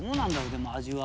でも味は。